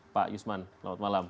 pak yusman selamat malam